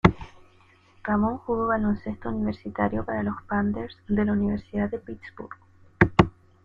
Ramón jugó baloncesto universitario para los Panthers de la Universidad de Pittsburgh.